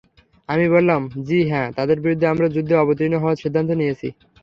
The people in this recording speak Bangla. আমি বললাম— জী হ্যাঁ, তাদের বিরুদ্ধে আমরা যুদ্ধে অবতীর্ণ হওয়ার সিদ্ধান্ত নিয়েছি।